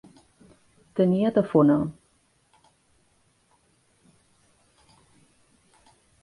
Tenia tafona.